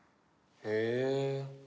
へえ。